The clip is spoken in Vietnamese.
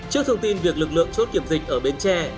trước thông tin việc lực lượng chốt kiểm dịch ở bến tre